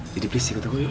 jadi please ikut aku yuk